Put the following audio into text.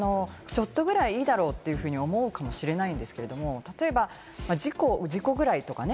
ちょっとくらい、いいだろうと思うかもしれないんですけど、例えば事故ぐらいとかね。